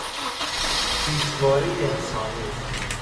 پیچوارهی انسانی